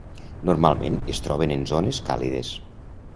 Normalment es troben en zones càlides.